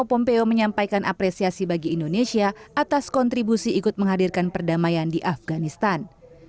pompeo menyampaikan apresiasi bagi indonesia atas kontribusi ikut menghadirkan perdamaian di afganistan